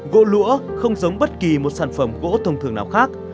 gỗ lũa không giống bất kỳ một sản phẩm gỗ thông thường nào khác